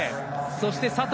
そして佐藤